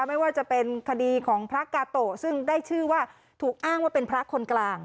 ไม่ว่าจะเป็นคดีของพระกาโตะซึ่งได้ชื่อว่าถูกอ้างว่าเป็นพระคนกลาง